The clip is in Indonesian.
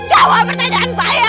jawab pertanyaan saya